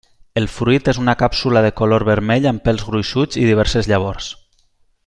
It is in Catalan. El fruit és una càpsula de color vermell amb pèls gruixuts i diverses llavors.